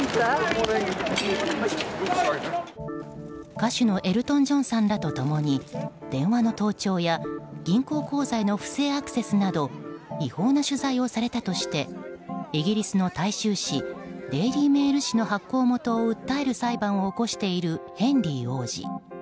歌手のエルトン・ジョンさんらと共に電話の盗聴や銀行口座委への不正アクセスなど違法な取材をされたとしてイギリスの大衆紙デイリー・メール紙の発行元を訴える裁判を起こしているヘンリー王子。